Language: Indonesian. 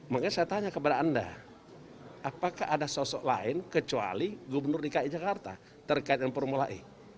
makanya saya tanya kepada anda apakah ada sosok lain kecuali gubernur dki jakarta terkait dengan formula e